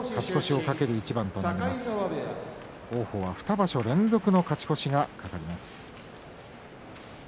王鵬は２場所連続の勝ち越しが懸かります。